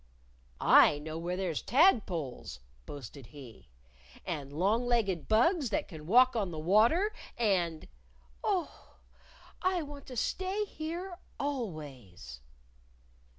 "I know where there's tadpoles," boasted he. "And long legged bugs that can walk on the water, and " "Oh, I want to stay here always!"